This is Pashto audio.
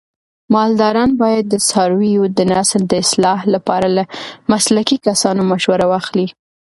مالداران باید د څارویو د نسل د اصلاح لپاره له مسلکي کسانو مشوره واخلي.